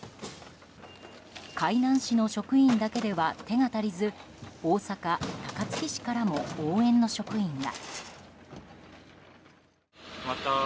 海南市の職員だけでは手が足りず大阪・高槻市からも応援の職員が。